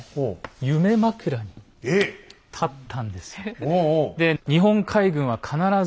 夢枕に立ったんですよ。